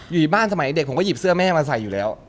อยู่บ้านสมัยเด็กผมก็หยิบเสื้อแม่มาใส่อยู่แล้ว